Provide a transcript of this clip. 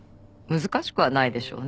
難しくはないでしょうね。